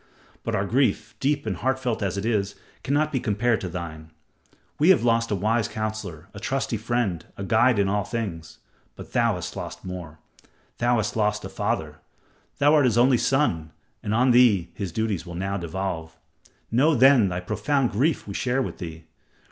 But our grief, deep and heartfelt as it is, cannot be compared to thine. We have all lost a wise counselor, a trusty friend, a guide in all things. But thou hast lost more. Thou hast lost a father. Thou art his only son, and on thee his duties will now devolve. Know then thy profound grief we share with thee.